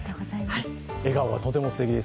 笑顔がとてもすてきです。